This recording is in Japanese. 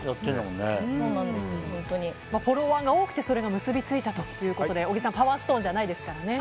フォロワーが多くてそれが結びついたということで小木さん、パワーストーンじゃないですからね。ね。